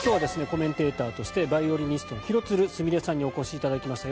コメンテーターとしてヴァイオリニストの廣津留すみれさんにお越し頂きました。